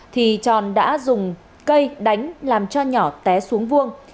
thì tròn đã dùng cây đánh làm cho nhỏ té xuống vuông